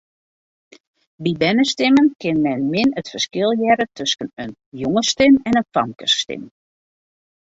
By bernestimmen kin men min it ferskil hearre tusken in jongesstim en in famkesstim.